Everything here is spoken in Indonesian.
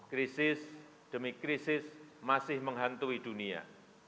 krisis demi krisis masih menghantui dunia